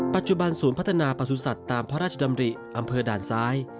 ปัจจุบันศูนย์พัฒนาประสุทธิ์ตามพระราชดำริอำเภอด่านซ้าย